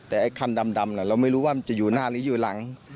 แต่ไอ้คันดำเราไม่รู้ว่ามันจะอยู่หน้าหรืออยู่หลัง